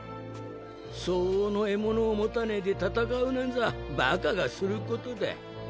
相応の得物を持たねぇで闘うなんざ馬鹿がすることだ。